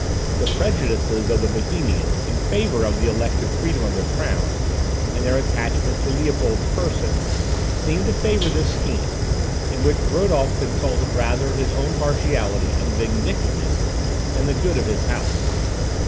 The prejudices of the Bohemians in favour of the elective freedom of their crown, and their attachment to Leopold's person, seemed to favour this scheme, in which Rodolph consulted rather his own partiality and vindictiveness than the good of his house.